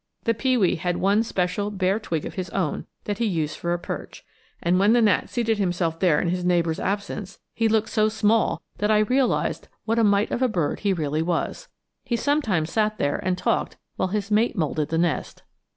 The pewee had one special bare twig of his own that he used for a perch, and when the gnat seated himself there in his neighbor's absence he looked so small that I realized what a mite of a bird he really was. He sometimes sat there and talked while his mate moulded the nest.